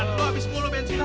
lu abis mulu bensin lu